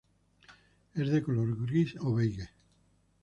Es de color gris o beige.